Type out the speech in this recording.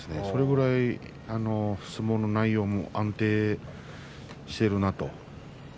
それぐらい相撲の内容も安定しているなと。